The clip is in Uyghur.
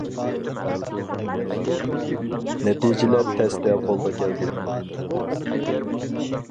نەتىجىلەر تەستە قولغا كەلدى.